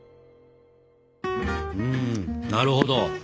なるほど。